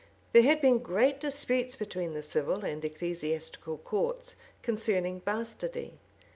There had been great disputes between the civil and ecclesiastical courts concerning bastardy.